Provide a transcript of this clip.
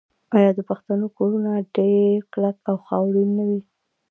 آیا د پښتنو کورونه ډیر کلک او خاورین نه وي؟